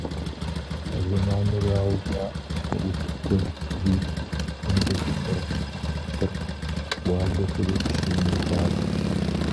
А зэманырауэ жаӀэ МыутӀ гуэлри, ЖэмдэкӀыпӀэ, Къыркъ тӀуалэхэри къыщыунэхуар.